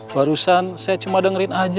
barusan saya cuma dengerin aja